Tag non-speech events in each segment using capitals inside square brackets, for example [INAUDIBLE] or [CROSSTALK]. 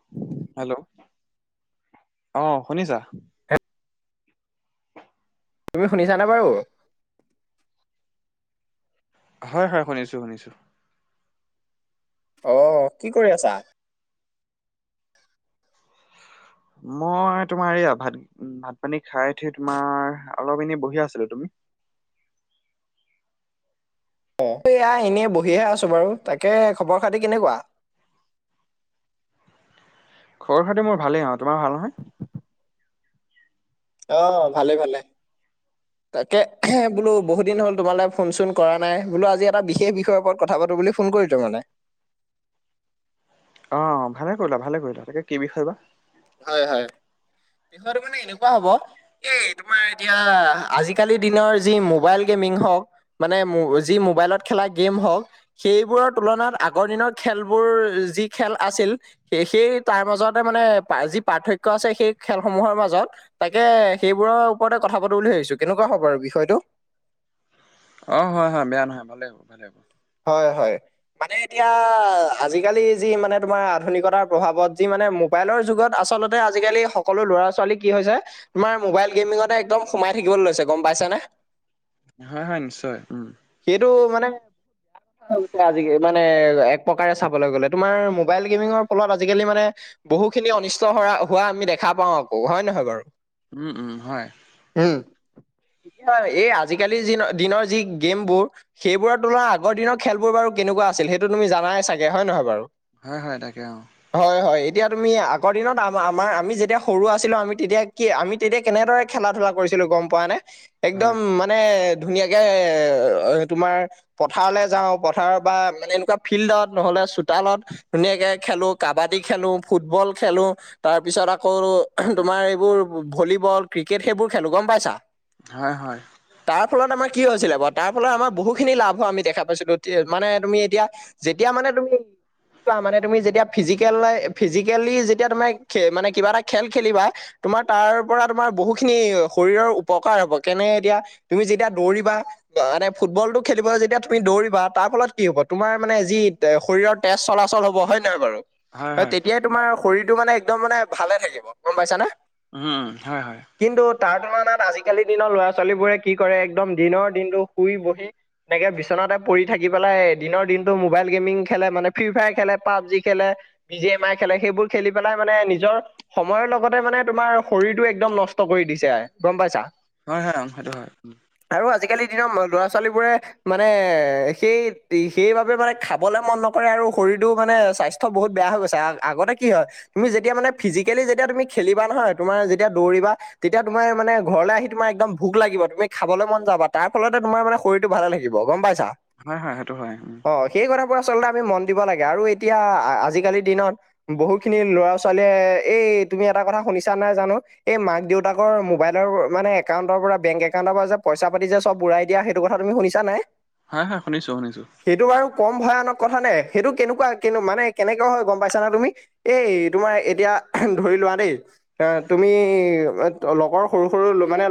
[UNINTELLIGIBLE] [INAUDIBLE] Hello অ শুনিছা? হে তুমি শুনিছানে বাৰু? হয় হয় শুনিছো শুনিছো। অ। কি কৰি আছা? মই তোমাৰ এয়া ভাত ভাত পানী খাই থৈ তোমাৰ অলপ এনেই বহি আছিলো। তুমি? অ এই এয়া এনেই বহিহে আছো বাৰু। তাকে খবৰ খাতি কেনেকুৱা? খবৰ খাটি মোৰা ভালেইে আৰু। তোমাৰ ভাল নহয়? অ ভালে ভালে। তাকে বোলো বহুত দিন হ'ল তোমালে ফোন চোন কৰা নাই, বোলো আজি এটা বিশেষ বিষয়ৰ ওপৰত কথা পাতো বুলি। ফোন কৰিলো মানে। অঁ ভালে কৰিলা ভালে কৰিলা। তাকে কি বিষয় বা? হয় হয়। বিষয়টো মানে এনেকুৱা হব- এই তোমাৰ এতিয়া আজিকালি দিনৰ যি মোবাইল গেমিং হওক। মানে যি মোবাইলত খেলা গেম হওক। সেইবোৰৰ তুলনাত আগৰ দিনৰ খেলবোৰ যি খেল আছিল। সেই সেই তাৰ মাজতে মানে যি পাৰ্থক্য আছে। সেই খেলসমূহৰ মাজত তাকে সেইবোৰৰ ওপৰতে কথা পাতো বুলি ভাবিছো। কেনেকুৱা হ'ব বাৰু বিষয়টো? অ হয় হয় বেয়া নহয় ভালে হ'ব ভালে হ'ব। হয় হয়। মানে এতিয়া আজিকালি যি মানে তোমাৰ আধুনিকতাৰ প্ৰভাৱত যি মানে মোবাইলৰ যুগত আচলতে আজিকালি সকলো ল'ৰা ছোৱালী কি হৈছে- তোমাৰ মোবাইল গেমিঙতে একদম সোমাই থাকিবলৈ লৈছে গম পাইছ নে? হয় হয় নিশ্চয় উম। সেইটো মানে আজি মানে এক প্ৰকাৰে চাবলৈ গ'লে, তোমাৰ মোবাইল গেমিঙৰ ফলত আজিকালি মানে বহুখিনি অনিষ্ট হ হোৱা আমি দেখা পাওঁ আকৌ। হয় নহয় বাৰু? উম উম হয়। উম। হয়। এই আজিকালি যি দিনৰ যি গেমবোৰ সেইবোৰৰ তুলনাত আগৰ দিনৰ খেলবোৰ বাৰু কেনেকুৱা আছিল, সেইটো তুমি জানাই চাগে হয় নহয় বাৰু? হয় হয় তাকে অ। হয় হয়। এতিয়া তুমি আগৰ দিনত আম আমাৰ আমি যেতিয়া সৰু আছিলো আমি তেতিয়া কি আমি তেতিয়া কেনেদৰে খেলা ধলা কৰিছিলো গম পোৱা নে? একদম হয় মানে ধুনীয়াকে তোমাৰ পথাৰলৈ যাওঁ পথাৰত। বা মানে এনেকুৱা ফিল্ডত নহ'লে চোতালত। ধুনীয়াকে খেলো কাবাডী খেলো, ফুটবল খেলো। তাৰ পিছত আকৌ তোমাৰ এইবোৰ ভলীবল, ক্ৰিকেট সেইবোৰ খেলো। গম পাইছা? হয় হয়। তাৰ ফলত আমাৰ কি হৈছিলে বাৰ? তাৰ ফলত আমাৰ বহুখিনি লাভ হোৱা আমি দেখা পাইছিলো। মানে তুমি এতিয়া যেতিয়া মানে তুমি চোৱা মানে তুমি যেতিয়া ফিজিকেল ফিজিকেলি যেতিয়া তুমি খ মানে কিবা এটা খেল খেলিবা তোমাৰ তাৰ পৰা তোমাৰ বহুখিনি শৰীৰৰ উপকাৰ হব কেনে এতিয়া তুমি যেতিয়া দৌৰিবা মানে ফুটবল টো খেলিব যি এতিয়া তুমি দৌৰিবা তাৰ ফলত কি হ'ব তোমাৰ মানে যি এ শৰীৰৰ তেজ চলাচল হ'ব। হয় নে নহয় বাৰু? হয় অ হয় তেতিয়াই তোমাৰ শৰীৰটো মানে একদম মানে ভালে থাকিব। গম পাইছা নে? উম। হয় হয়। কিন্তু তাৰ তুলনাত আজিকালি দিনৰ ল'ৰা ছোৱালীবোৰে কি কৰে একদম দিনৰ দিনটো শুই বহি। এনেকে বিচনাতে পৰি থাকি পেলাই এ দিনৰ দিনটো মোবাইল গেমিং খেলে মানে ফ্ৰী ফায়াৰ খেলে পাবজি খেলে। বি জি এম আই খেলে সেইবোৰ খেলি পেলাই মানে নিজৰ। সময়ৰ লগতে মানে তোমাৰ শৰীৰটো একদম নষ্ট কৰি দিছে গম পাইছা। হয় হয় সেইটো হয়। আৰু আজিকালিৰ দিনৰ ল'ৰা ছোৱালীবোৰে। মানে সেই সেইবাবে মানে খাবলে মন নকৰে আৰু শৰীৰো মানে স্বাস্থ্য। ত বহুত বেয়া হৈ গৈছে আ আগতে কি হয়। তুমি যেতিয়া মানে ফিজিকেলি যেতিয়া তুমি খেলিবা নহয় তোমাৰ যেতিয়া দৌৰিবা। তেতিয়া তোমাৰ মানে ঘৰলৈ আহি তোমাৰ একদম ভোক লাগিব তুমি খাবলৈ মন যাবা তাৰ ফলতে তোমাৰ মানে শৰীৰটো ভাল লাগিব। কিব গম পাইছা। হয় হয় সেইটো হয়। অঁ সেই কথাবোৰ আচলতে আমি মন দিব লাগে আৰু এতিয়া আ আজিকালি দিনত। বহু খিনি লৰা ছোৱালীয়ে এই তুমি এটা কথা শুনিছা নাই জানো। এই মাক দেউতাকৰ মোবাইলৰ মানে এ এ এ। এ মাক দেউতাকৰ মোবাইলৰ মানে এ কাউণ্টৰ পৰা বেংক একাউণ্টৰ পৰা যে পইচা পাতি যে চব উৰাই দিয়া সেইটো কথা তুমি শুনিছা। জ নাই। হয় হয় শুনিছো শুনিছো। সেইটো বাৰু কম ভয়ানক কথা নে সেইটো কেনেকুৱা কে মানে কেনেকুৱা হয় গম পাইছা না তুমি। এই তোমাৰ এতিয়া এ হে ম ধৰি লোৱা দেই। এ তুমি লগৰ সৰু সৰু মানে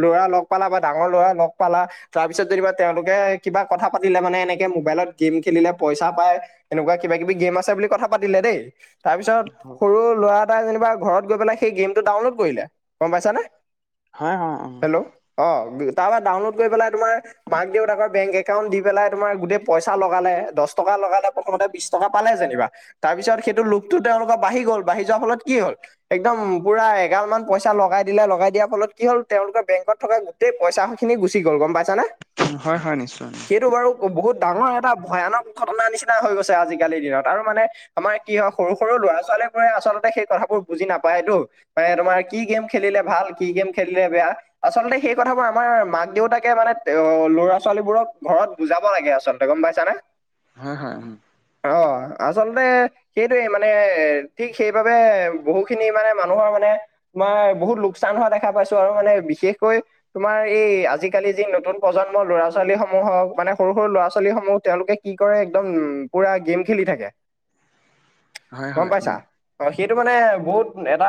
ল'ৰা লগ পালা বা ডাঙৰ ল'ৰা লগ পালা। তাৰপিছত যেনিবা তেওঁলোকে কিবা কথা পাতিলে মানে এনেকে মোবাইলত গেম খেলিলে পইচা পায়। এনেকুৱা কিবা কিবি গেম আছে বুলি কথা পাতিলে দেই। তাৰপিছত সৰু ল'ৰা এটাই যেনিবা ঘৰত গৈ পেলাই সেই গেম টো ডাউনলোড কৰিলে গম পাইছানে। হয় হয় অ। হেল্ল' অ তাৰ পৰা ডাউনলোড কৰি পেলাই তোমাৰ। মাক দেউতাকৰ বেংক একাউণ্ট দি পেলাই তোমাৰ গোটেই পইচা লগালে দছ টকা লগালে প্ৰথমতে বিছ টকা পালে যেনিবা। তাৰপিছত সেইটো লোকটো তেওঁলোকৰ বাঢ়ি গ'ল বাঢ়ি যোৱাৰ ফলত কি হ'ল। একদম পুৰা এগাল মান পইচা লগাই দিলে লগাই দিয়াৰ ফলত কি হ'ল তেওঁলোকৰ বেংকত থকা। সেই পইচা খিনি গুচি গ'ল গম পাইছানে। হয় হয় নিশ্চয়। সেইটো বাৰু বহুত ডাঙৰ এটা ভয়ানক ঘটনাৰ নিচিনা হৈ গৈছে আজিকালিৰ দিনত আৰু মানে। আমাৰ কি হয় সৰু সৰু ল'ৰা ছোৱালীবোৰে আচলতে সেই কথাবোৰ বুজি নাপায়তো। বে তোমাৰ কি গেম খেলিলে ভাল কি গেম খেলিলে বেয়া। আচলতে সেই কথাবোৰ আমাৰ মাক দেউতাকে মানে বেৰত। ল'ৰা ছোৱালীবোৰক ঘৰত বুজাব লাগে আচলতে গম পাইছানে। হয় হয়। অ আচলতে। সেইটোৱে মানে ঠিক সেইবাবে বহু খিনি মানে মানুহৰ মানে। মই বহুত লোকচান হোৱা দেখা পাইছো আৰু মানে বিশেষকৈ। তোমাৰ এই আজিকালি যি নতুন প্ৰজন্ম। অসমৰ ল'ৰা ছোৱালীসমূহক মানে সৰু সৰু ল'ৰা ছোৱালীসমূহ তেওঁলোকে কি কৰে একদম পুৰা গেম খেলি থাকে। হয় গম হয় পাইছা। উম অ সেইটো মানে বহুত এটা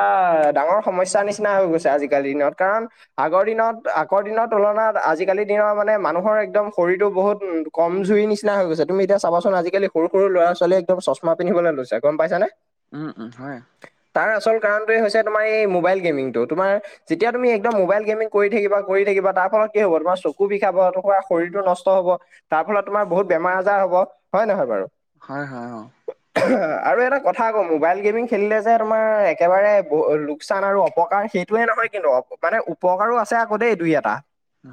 ডাঙৰ সমস্যাৰ নিচিনা হৈ গৈছে আজিকালি দিনত কাৰণ। আগৰ দিনত আগৰ দিনৰ তুলনাত আজিকালি দিনৰ মানে। মানে মানুহৰ একদম শৰীৰটোৰ বহুত কম যোৰি নিচিনা হৈ গৈছে তুমি এতিয়া চাবাচোন আজিকালি। সৰু - সৰু ল'ৰা - ছোৱালীয়ে একদম চশমা পিন্ধিবলৈ লৈছে গম পাইছানে? উম উম হয়। তাৰ আচল কাৰণটোৱে হৈছে তোমাৰ এই মোবাইল গেমিংটো, তোমাৰ যেতিয়া তুমি একদম মবাইল গেমিং কৰি থাকিবা কৰি থাকিবা তাৰ ফলত কি হ'ব তোমাৰ চকু বিষ কি হব তোমাৰ শৰীৰটো নষ্ট হব তাৰ ফলত তোমাৰ বহুত বেমাৰ - আজাৰ হব হয় নহয় বাৰু? হয় হয় অ। উ অঁহ আৰু এটা কথা আকৌ মোবাইল গেমিং খেলিলে যে তোমাৰ একেবাৰে ব অ লোকচান আৰু অপকাৰ সেই এইটোৱে নহয় কিন্তু মানে উপকাৰ উপকাৰো আছে দেই দুই এটা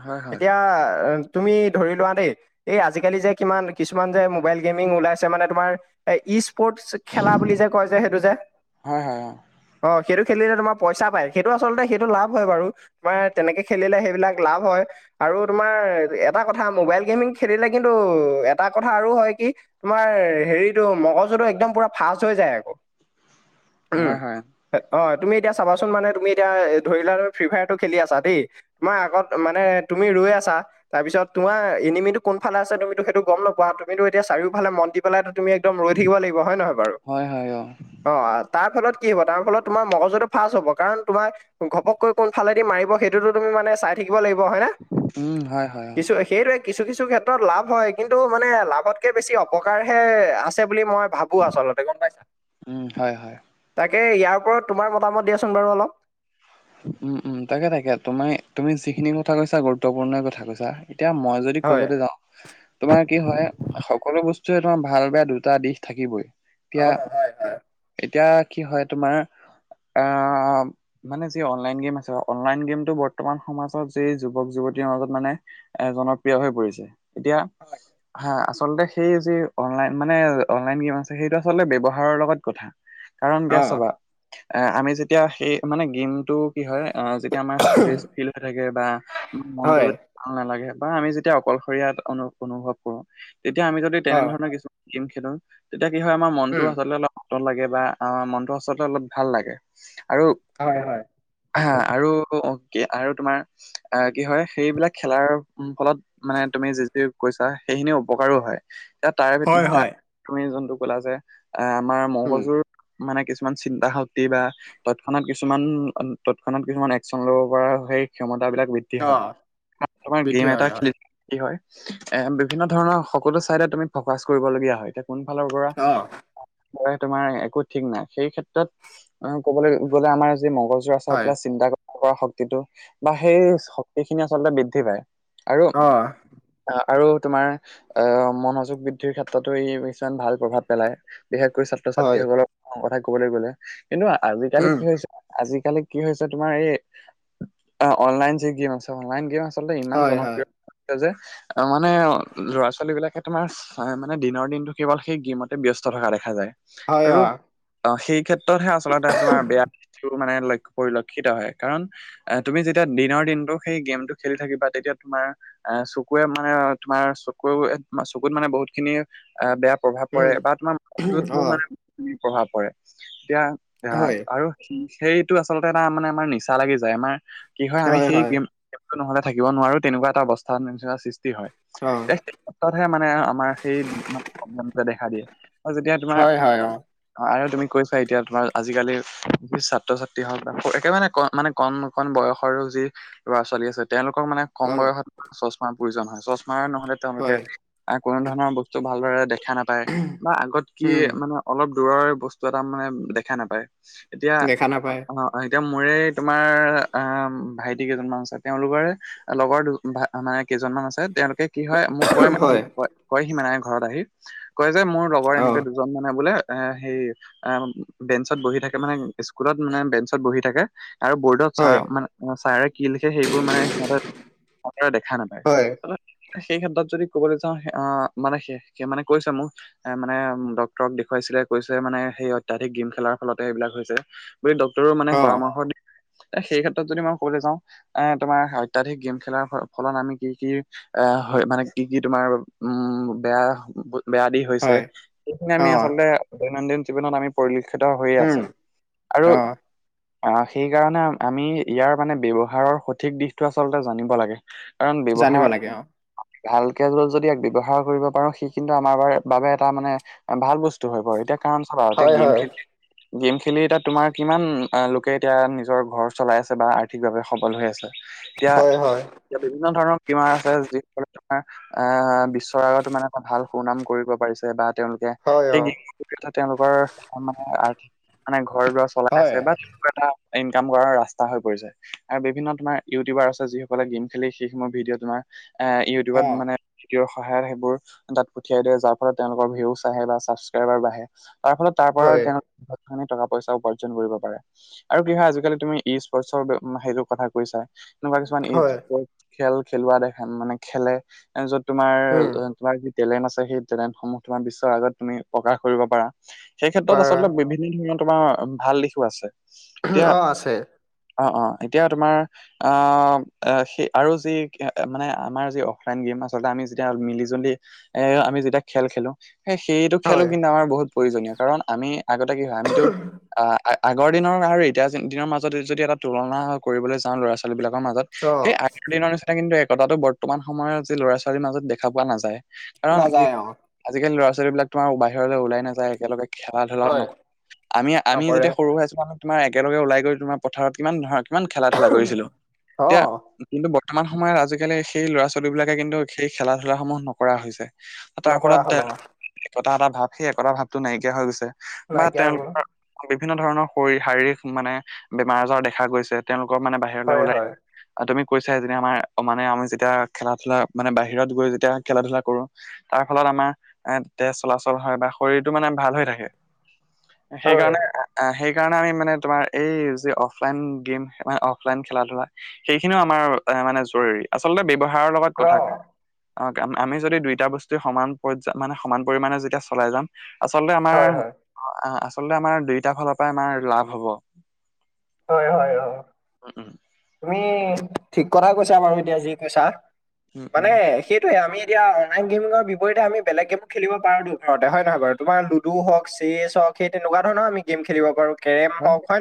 হয় হয় এতিয়া আৰ তুমি ধৰি লোৱা দেই এই আজিকালি যে কিমান কিছুমান যে মোবাইল গেমিং ওলাইছে মানে তোমাৰ এ স্পৰ্টচ খেলা বুলি যে কয় যে সেইটো যে হয় হয় অ সেইটো খেলিলে তোমাৰ পইচা পায় সেইটো আচলতে সেইটো লাভ হয় বাৰু। তোমাৰ তেনেকে খেলিলে সেইবিলাক লাভ হয় আৰু তোমাৰ এটা কথা মোবাইল গেমিং খেলিলে কিন্তু এটা কথা আৰু হয় কি তোমাৰ হেৰিটো মগজুটো একদম পুৰা ফাষ্ট হৈ যায় আকৌ। অ উম। হয় হয় এ অ তুমি এতিয়া চাবাচোন মানে তুমি এতিয়া ধৰি লোৱা আৰু ফ্ৰী ফায়াৰটো খেলি আছা দেই তোমাৰ আগত মানে তুমি ৰৈ আছা তাৰপিছত তোমাৰ এনিমিটো কোনফালে আছে তুমিতো সেইটো গম নোপোৱা? তুমিটো এতিয়া চাৰিওফালে মন দি সেইফালে ত তুমি একদম ৰৈ থাকিব লাগিব হয় নহয় বাৰু? হয় হয় অ। অ তাৰ ফলত কি হ'ব? তাৰ ফলত তোমাৰ মগজুটো ফাৰ্ষ্ট হ'ব কাৰণ তোমাৰ ঘপককৈ কোন ফালেদি মাৰিব সেইটোতো তুমি চাই থাকিব লাগিব হয় না? উম হয়। হয় অ দিছুৱে সেইটোৱে কিছু - কিছু ক্ষেত্ৰত লাভ হয় কিন্তু মানে লাভতকে বেছি অপকাৰহে আছে বুলি মই ভাব বো আচলতে গম পাইছা? উম হয় হয় তাকে ইয়াৰ ওপৰত তোমাৰ মতামত দিয়াচোন বাৰু অলপ? উম উম তাকে তাকে, তুমাই তুমি যিখিনি কথা কৈছা গুৰুত্বপূৰ্ণ কথা কৈছা এতিয়া মই যদ দি হয় কবলৈ যাওঁ, তোমাৰ কি হয়? সকলো বস্তুৰে তোমাৰ ভাল - বেয়া দুটা দিশ থাকিবই। অ এতিয়া হয় হয় এতিয়া কি হয় তোমাৰ আহ মানে অনলাইন গেম আছে অনলাইন গেমটো বৰ্তমান সমাজত যে যুৱক যুৱতীৰ মাজত মানে এ জনপ্ৰিয় হৈ পৰিছে এতিয়া হয় হা আচলতে সেই যি অনলাইন মানে অনলাইন গেম আছে সেইটো আচলতে ব্যৱহাৰৰ লগত কথা কাৰণ অ এতিয়া চাবা এ আমি যেতিয়া সেই মানে গেমটো কি হয় অ যেতিয়া আমাৰ ষ্ট্ৰেচ ফিল হৈ থাকে বা মনটো হয় ভাল নালাগে বা আমি যেতিয়া অকলশৰীয়া অনু অনুভৱ কৰো তেতিয়া আমি যদি অ তেনেধৰণৰ কিছু গেম খেলো তেতিয়া কি হয় আমাৰ মনতো উম আচলতে অলপ নতন লাগে বা অ মনটো সচতে অলপ ভাল লাগে আৰু হয় হয়। হা আৰু অ কি আৰু তোমাৰ এ কি হয় সেইবিলাক খেলাৰ ফলত মানে তুমি যিখিনি কৈছা সেইখিনি উপকাৰো হয় তা তাৰে ভিত হয় তা হয় তুমি যোনটো ক'লা যে এ আমাৰ উম মগজুৰ মানে কিছুমান চিন্তা শক্তি বা তৎক্ষণাত কিছুমান অ তৎক্ষণাত কিছুমান একচন ল'ব পৰা সেই ক্ষমতাবিলাক বৃ দ্ধি অ হয় তাত তোমাৰ গেম বৃদ্ধি এটা হয় হয় খেলি কি হয়? এ বিভিন্ন ধৰণৰ সকলো চাইডে তুমি ফকাচ কৰিবলগীয়া হয় এতিয়া কোন ফালৰ পৰা অ তোমাৰ একো ঠিক নাই। সেই ক্ষেত্ৰত ক'বলৈ গ'লে আমাৰ যি মগজু হয় [UNINTELLIGIBLE] চিন্তা কৰা শক্তিটো বা সেই শক্তিখিনি আচলতে বৃদ্ধি পায়। আৰু, অ আৰু তোমাৰ আহ মনোযোগ বৃদ্ধিৰ ক্ষেত্ৰতো ই কিছুমান ভাল প্ৰভাৱ পেলাই বিশেষকৈ ছাত্ৰ হয় ছাত্ৰীসকলৰ কথা কবলৈ গ'লে কিন্তু আজিকালি উম কি হৈছে আজি কালি কি হৈছে তোমাৰ এই অনলাইন যে গেম আছে অনলাইন গেম আচলতে ইমান হয় হয় জনপ্ৰিয় যে মানে ল'ৰা ছোৱালী বিলাকে তোমাৰ হয়। মানে দিনৰ দিনটো কেৱল সেই গেমতে ব্যস্ত থকা দেখা যায়। হয় অ আৰু অ সেই ক্ষেত্ৰতহে আচলতে তোমাৰ বেয়া মানে লক্ষ্য পৰিলক্ষিত হয়। কাৰণ তুমি যেতিয়া দিনৰ দিনতটো সেই গেমটো খেলি থাকিবা তেতিয়া তোমাৰ অ চকুৱে মানে তোমাৰ চকু চকুত মানে বহুত খিনি বেয়া প্ৰভাৱ পৰে উম বা তোমাৰ অ মুডত মানে প্ৰভাৱ পৰে এতিয়া আহ হয় আৰু সেইটো আচলতে এটা মানে আমাৰ নিচা লাগি যায়। আমাৰ কি হয় আমি সেই গেম নহ'লে থাকিব নোৱাৰো তেনেকুৱা এটা অৱস্থা নিচিনা চি হয়। অ সেই ক্ষেত্ৰত মানে আমাৰ সেই প্ৰব্লেম দেখা দিয়ে। হয় হয় অ অ আৰু তুমি কৈছা এতিয়া তোমাৰ আজিকালি ছাত্ৰ-ছাত্ৰী হওক বা একেবাৰে ক মানে কন কন বয়সৰ যি ল'ৰা-ছোৱালী আছে তেওঁলোকক মানে কম অ বয়সত চশমাৰ প্ৰয়োজন হয়। চশমাৰ নহ'লে তেওঁলোকে হয় কোনো ধৰণৰ বস্তু ভালদৰে দেখা নাপায় বা আগত কি উম মানে অলপ দূৰৰ বস্তু এটা মানে দেখা নাপায়। এতিয়া খানা পায়। অ এতিয়া মোৰে তোমাৰ ভাইটি কেইজনমান আছে তেওঁলোকৰে লগৰ দু মানে কেইজনমান আছে তেওঁলোকে কি হয় মোক কয় আহি হয় ক কয় সি মানে ঘৰত আহি, কয় যে মোৰ লগৰ অ এনেকা দু মানে বোলে সেই বেঞ্চত বহি থাকে মানে স্কুলত মানে বেঞ্চত বহি থাকে আৰু বৰ্ডত ছাৰ হয় মানে ছাৰে কি লিখে সেইবোৰ মানে সিহঁতে ভাদৰে দেখা নাপায়। হয় সেই ক্ষেত্ৰত যদি ক'বলৈ যাওঁ অ মানে কৈছে মোক এ মানে ডক্তৰক দেখুৱাইছিলে কৈছে মানে সেই অত্যধিক গেম খেলাৰ ফলতে সেইবিলাক হৈছে। বুলি ডক্টৰ মানে অ পৰামৰ্শ দিয় সেই ক্ষেত্ৰত যদি মই ক'বলৈ যাওঁ এ তোমাৰ অত্যধিক গেম খেলাৰ ফলত আমি কি কি আহ হয় মানে কি কি তোমাৰ উম বেয়া বেয়া দি হৈছে। হয় সেইখিনি অ আমি আচলতে দৈনন্দিন জীৱনত আমি পৰিলক্ষিত হৈয়ে উম আছে। [INAUDIBLE] [INAUDIBLE] আহ সেইকাৰণে আমি ইয়াৰ মানে ব্যৱহাৰৰ সঠিক দিশটো আচলতে জানিব লাগে। কাৰণ জানিব ব্যৱহাৰ লাগে অ ভালকে যদি ইয়াক ব্যৱহাৰ কৰিব পাৰো সি কিন্তু আমাৰ বাবে এটা মানে ভাল বস্তু হৈ বাৰু। এতিয়া কাৰণ চাবা এতিয়া হয় গেম হয় খেলি গেম খেলি এ তাত তোমাৰ কিমান লোকে এতিয়া নিজৰ ঘৰ চলাই আছে বা আৰ্থিকভাৱে সবল হৈ আছে। এতিয়া, হয় হয় এতিয়া বিভিন্ন ধৰণৰ [UNINTELLIGIBLE] আছে যিসকলে তোমাৰ এ বিশ্বৰ আগতো মানে এটা ভাল সুনাম কৰিব পাৰিছে বা তেওঁলোকে হয় অ সেই [UNINTELLIGIBLE] তেওঁলোকৰ মানে আৰ্থিক মানে ঘৰ দুৱাৰ চলাই হয় আছে বা তেনেকুৱা এটা ইনকাম কৰাৰ ৰাস্তা হৈ পৰিছে। আৰু বিভিন্ন তোমাৰ ইউটিউবাৰ আছে যিসকলে গেম খেলি সেইসমূহৰ ভিডিঅ' তোমাৰ- এ অ ইউটিউবত মানে- ভিডিঅৰ সহায়ত সেইবোৰ তাত পঠিয়াই দিয়ে। যাৰ ফলত তেওঁলোকৰ ভিউচ আহে বা ছাবস্ক্ৰাইবাৰ বাঢ়ে। তাৰ ফলত- তাৰ পৰা হয় তেওঁ [UNINTELLIGIBLE] টকা- পইচা উপাৰ্জন কৰিব পাৰে আৰু কি হয় আজিকালি তুমি ই স্পৰ্টচৰ সেইটো কথা কৈছা- এনেকুৱা কিছুমান ই হয় [UNINTELLIGIBLE] খেল খেলোৱা দেখা মানে খেলে য'ত উম তোমাৰ- তোমাৰ যি টেলেণ্ট আছে সেই টেলেণ্টসমূহ তোমাৰ বিশ্বৰ আগত তুমি প্ৰকাশ কৰিব পাৰা। সেই ক্ষেত্ৰত পাৰা আচলতে বিভিন্ন ধৰণৰ তোমাৰ ভাল দিশো আছে। অঁ' আছে। অঁ অঁ' এতিয়া তোমাৰ- আহ' সেই আৰু যি মানে আমাৰ যি অফলাইন গেম আচলতে আমি যেতিয়া মিলি জুলি- এনেকে আমি যেতিয়া- খেল খেলো সেই সেইটো খেলো হয় কিন্তু আমাৰ বহুত প্ৰয়োজনীয় কাৰণ আমি আগতে কি হয় আমিতো- আহ আগৰ দিনৰ আৰু এতিয়া দিনৰ মাজত যদি এটা তুলনা কৰিবলৈ যাওঁ ল'ৰা ছোৱালী বিলাকৰ মাজত। অ সেই আগৰ দিনৰ নিচিনা কিন্তু একতাটো বৰ্তমান সময়ত আজি ল'ৰা-ছোৱালীৰ মাজত দেখা পোৱা নাযায়। কাৰণ কি নাযায় অ আজিকালি ল'ৰা ছোৱালী বিলাক তোমাৰ বাহিৰলৈ ওলাই নাযায়, একেলগে খেলা ধূলা হয় নকৰে। আমি, আমি নকৰে যেতিয়া সৰু হৈ আছো মানে তোমাৰ একেলগে ওলাই গৈ তোমাৰ পথাৰত কিমান ধান ইমান খেলা ধূলা কৰিছিলো। অ এতিয়া- কিন্তু বৰ্তমান সময়ত আজিকালি সেই ল'ৰা-ছোৱালী বিলাকে কিন্তু সেই খেলা ধূলাসমূহ নকৰা হৈছে। তাৰ নকৰা ফলত হল তেওঁ অ [UNINTELLIGIBLE] একতা এটা ভাৱ সেই একতা ভাৱটো নাইকিয়া হৈ গৈছে বা নাইকিয়া হৈ তেওঁলোক গল বিভিন্ন ধৰণৰ শৰীৰ শাৰীৰিক মানে বেমাৰ-আজাৰ দেখা গৈছে। তেওঁলোকৰ মানে বাহিৰলৈ হয় ওলাই- হয় আৰু তুমি কৈছাই যেনে আমাৰ মানে আমি যেতিয়া খেলা-ধূলা মানে বাহিৰত গৈ যেতিয়া খেলা-ধূলা কৰো। তাৰ ফলত আমাৰ এ তেজ চলাচল হয় বা শৰীৰটো মানে ভাল হৈ থাকে। হয় সেইকাৰণে- আহ' সেইকাৰণে আমি মানে তোমাৰ এই যি অফলাইন গেম খেলা অফলাইন খেলা ধূলা- সেইখিনিও আমাৰ মানে জৰুৰী। আচলতে ব্যৱহাৰৰ লগত- অ কথাকে, আমি যদি দুইটা বস্তু সমান পৰি মানে সমান পৰিমাণে যেতিয়া চলাই যাম- আচলতে আমাৰ। হয় হয় আচলতে আমাৰ দুইটা ফালৰ পৰাই আমাৰ লাভ হ'ব। হয় হয়, অঁ'। তুমি ঠিক কথাই কৈছা বাৰু এতিয়া যি কৈছা। উম উম উম মানে সেই টোৱে, আমি এতিয়া অনলাই গেমৰ বিপৰীতে আমি বেলেগ গেমো খেলিব পাৰোতো ঘৰতে হয় নহয় বাৰু। তোমাৰ লুডু লুডু হওক, চেছ হওক সেই তেনেকুৱা ধৰণৰ আমি গেম খেলিব পাৰোঁ, কেৰম হয় হওক হয়নে